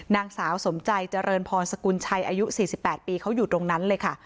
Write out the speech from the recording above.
นางสาวสมใจเจริญพรสกุลชัยอายุ๔๘ปีเขาอยู่ตรงนั้นเลยค่ะ